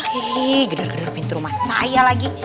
wih gedor gedor pintu rumah saya lagi